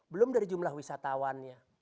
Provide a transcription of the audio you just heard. belum dari jumlah wisatawannya